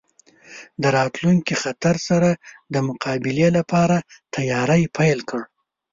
د راتلونکي خطر سره د مقابلې لپاره تیاری پیل کړ.